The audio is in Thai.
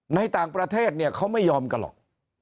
ในต่างประเทศเนี่ยเขาไม่ยอมกันหรอก